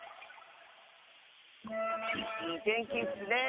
いいてんきッスねえ。